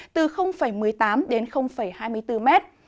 từ một mươi tám đến hai mươi bốn m